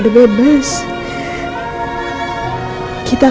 darah daging kita